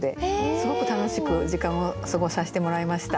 すごく楽しく時間を過ごさせてもらいました。